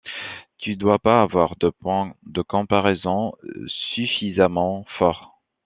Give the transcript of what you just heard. Tu dois pas avoir de point de comparaison suffisamment fort.